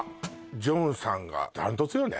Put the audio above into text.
ジョンさんがダントツよね